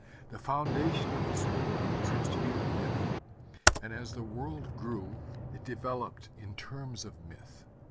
The foundation of this world seems to be the Myth; and as the world grew it developed in terms of Myth.